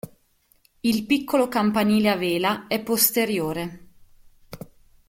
Il piccolo campanile a vela è posteriore.